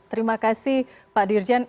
terima kasih pak dirjan